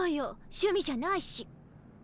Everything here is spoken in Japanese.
趣味じゃないし。